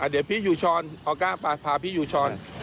เดี๋ยวพี่อยู่ช้อนออก้าไปพาพี่อยู่ช้อน